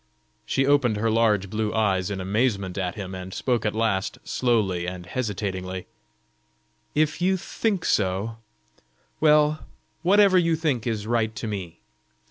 She opened her large blue eyes in amazement at him, and spoke at last, slowly and hesitatingly: "If you think so well, whatever you think is right to me.